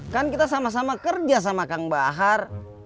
kan kita sama sama kerja sama kang bahar